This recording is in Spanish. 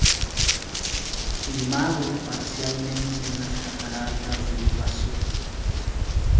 Filmado parcialmente en las Cataratas del Iguazú.